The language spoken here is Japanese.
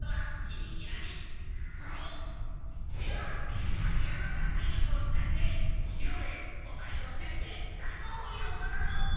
では有りあまった体力を使って四郎兵衛オマエと２人でざんごうほりを行う！